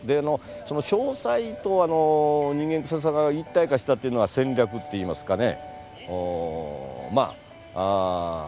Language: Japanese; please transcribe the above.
その商才と人間臭さが一体化したっていうのは戦略っていいますかね。